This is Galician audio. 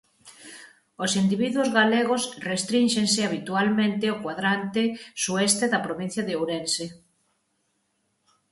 Os individuos galegos restrínxense habitualmente ó cuadrante sueste da provincia de Ourense.